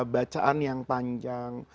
bacaan yang panjang